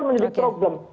itu adalah problem